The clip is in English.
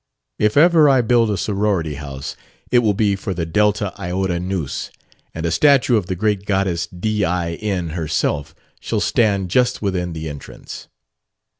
If ever I build a sorority house, it will be for the Delta Iota Nus, and a statue of the great goddess DIN herself shall stand just within the entrance."